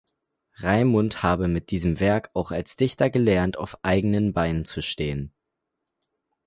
Raimund habe mit diesem Werk auch als Dichter gelernt, auf eigenen Beinen zu stehen.